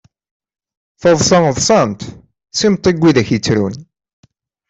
Taḍsa ḍsan-tt, s yimeṭṭi n widak yettrun.